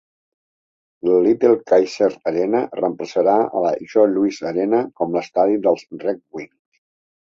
La Little Caesars Arena reemplaçarà a la Joe Louis Arena com l'estadi dels Red Wings.